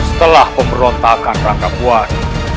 setelah pemberontakan rangkapuan